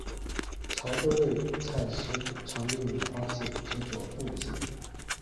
潮洲味菜师傅常利用花蟹制作冻蟹。